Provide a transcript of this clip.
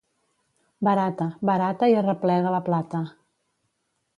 Barata, barata i arreplega la plata.